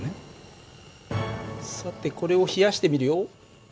さてこれを冷やしてみるよ。